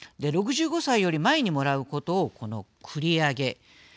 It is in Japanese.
６５歳より前にもらうことをこの繰り上げ。